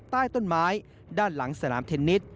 ใต้ต้นไม้ด้านหลังสนามเทนนิส